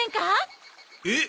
えっ？